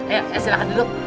ayo silahkan duduk